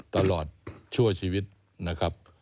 ตลอดชั่วชีวิตนะครับ